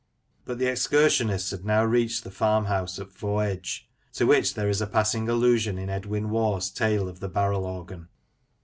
But the excursionists had now reached the farmhouse at Fo' Edge, to which there is a passing allusion in Edwin Waugh's tale of the " Barrel Organ."